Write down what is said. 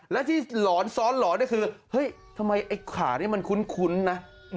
และที่หลอนซ้อนหลอนคือทำไมขานี่มันคุ้นนะ